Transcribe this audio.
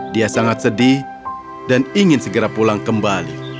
dia sangat sedih dan ingin segera pulang kembali